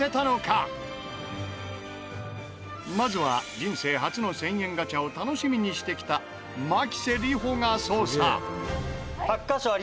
まずは人生初の１０００円ガチャを楽しみにしてきた牧瀬里穂が捜査。